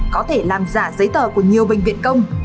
có thể làm giả giấy tờ của nhiều bệnh viện công